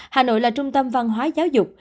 hà nội là trung tâm văn hóa giáo dục